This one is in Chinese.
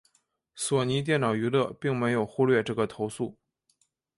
索尼电脑娱乐并没有忽略这个投诉。